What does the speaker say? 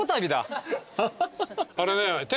あれね。